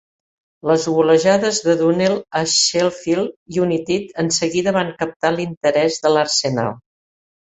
Les golejades de Dunne al Sheffield United enseguida van captar l"interès de l"Arsenal.